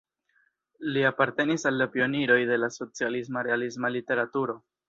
Li apartenis al la pioniroj de la socialisma-realisma literaturo.